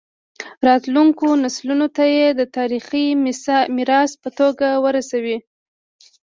راتلونکو نسلونو ته یې د تاریخي میراث په توګه ورسوي.